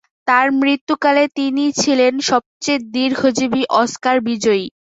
তার মৃত্যুকালে তিনি ছিলেন সবচেয়ে দীর্ঘজীবী অস্কার বিজয়ী।